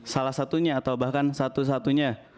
salah satunya atau bahkan satu satunya